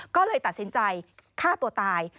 ก็เลยตัดสินใจฆ่าตัวตาย